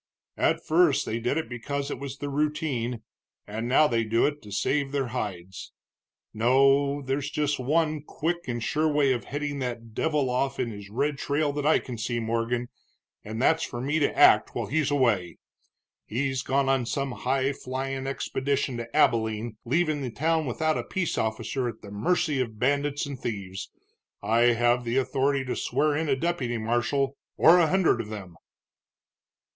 "At first they did it because it was the routine, and now they do it to save their hides. No, there's just one quick and sure way of heading that devil off in his red trail that I can see, Morgan, and that's for me to act while he's away. He's gone on some high flyin' expedition to Abilene, leaving the town without a peace officer at the mercy of bandits and thieves. I have the authority to swear in a deputy marshal, or a hundred of them."